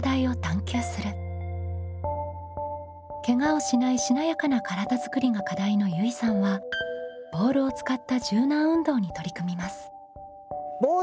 「ケガをしないしなやかな体づくり」が課題のゆいさんはボールを使った柔軟運動に取り組みます。